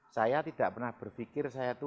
saya tidak pernah berpikir saya itu